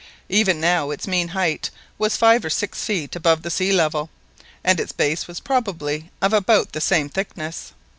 Even now its mean height was five or six feet above the sea level, and its base was probably of about the same thickness.